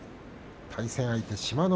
対戦相手の志摩ノ